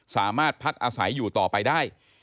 สามารถพักอาศัยอยู่ต่อไปได้